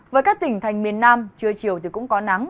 với các tỉnh thành miền nam trưa chiều thì cũng có nắng